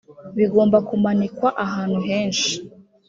bigomba kumanikwa ahantu henshi